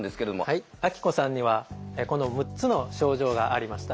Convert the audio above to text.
はいあきこさんにはこの６つの症状がありました。